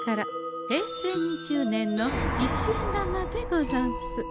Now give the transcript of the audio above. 平成２０年の一円玉でござんす。